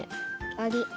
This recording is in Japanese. アリ。